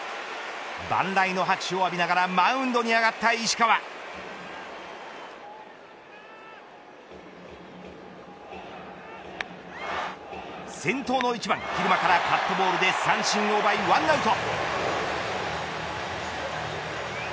万来の拍手を浴びながらマウンドに上がった石川先頭の１番カットボールで三振を奪い１アウト。